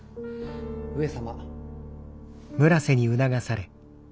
・上様。